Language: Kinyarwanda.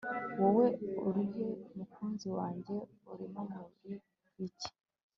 Wowe urihe mukunzi wanjye Urimo muri bike